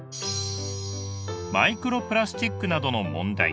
マイクロプラスチックなどの問題。